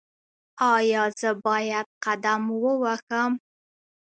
ایا زه باید قدم ووهم؟